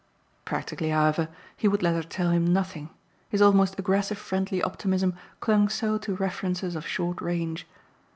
Practically, however, he would let her tell him nothing; his almost aggressive friendly optimism clung so to references of short range.